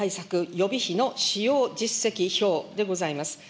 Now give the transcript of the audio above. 予備費の使用実績表でございます。